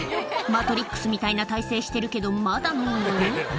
マトリックスみたいな体勢してるけど、まだ飲むの？